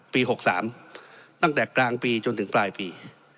๖๓ตั้งแต่กลางปีจนถึงปลายปี